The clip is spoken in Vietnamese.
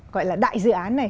gọi là đại dự án này